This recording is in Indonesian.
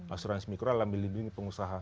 asuransi mikro adalah milik milik pengusaha